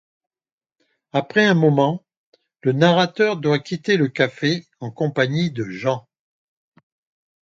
Après un moment, le narrateur doit quitter le café en compagnie de Jean.